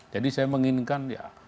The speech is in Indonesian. jadi saya menginginkan ya